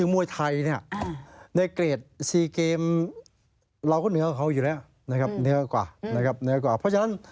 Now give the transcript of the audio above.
ไม่เคยได้ยินนะครับ